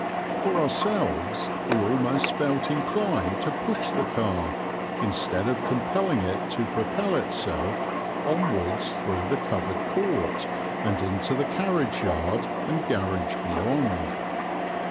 For ourselves, we almost felt inclined to push the car, instead of compelling it to propel itself, onwards through the covered court and into the carriage yard and garage beyond.